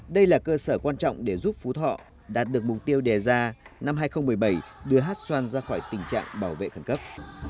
đây là cơ sở quan trọng để giúp phú thọ đạt được mục tiêu đề ra năm hai nghìn một mươi bảy đưa hát xoan ra khỏi tình trạng bảo vệ khẩn cấp